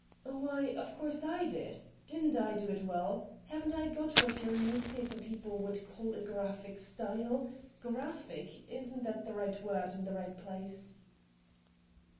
* Why, of course, / did. Didn't I do it well? Haven't I got what your newspaper people would call a graphic style ? Graphic — isn't that the right word in the right place